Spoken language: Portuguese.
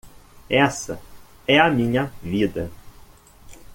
Essa é a minha vida.